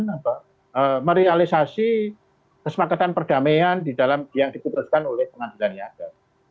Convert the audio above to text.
jadi itu merialisasi kesemangatan perdamaian yang dikeputuskan oleh pengadilan niaga